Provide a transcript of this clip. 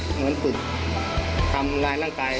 เหมือนฝึกทำร้ายร่างกาย